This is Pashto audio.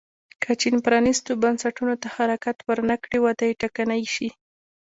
که چین پرانیستو بنسټونو ته حرکت ونه کړي وده یې ټکنۍ شي.